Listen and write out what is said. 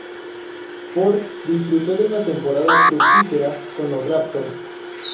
Ford disfrutó de una temporada fructífera con los Raptors.